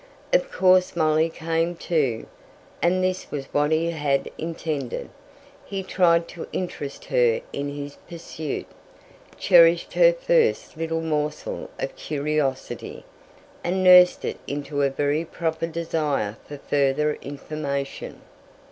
Of course Molly came too, and this was what he had intended. He tried to interest her in his pursuit, cherished her first little morsel of curiosity, and nursed it into a very proper desire for further information.